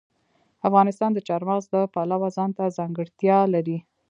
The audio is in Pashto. افغانستان د چار مغز د پلوه ځانته ځانګړتیا لري.